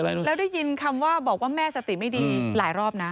แล้วได้ยินคำว่าบอกว่าแม่สติไม่ดีหลายรอบนะ